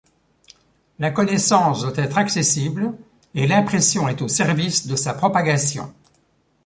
La connaissance doit être accessible, et l’impression est au service de sa propagation.